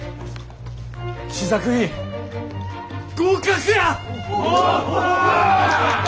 試作品合格や！